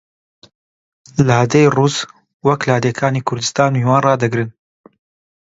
لادێی ڕووس وەک لادێی کوردستان میوان ڕادەگرن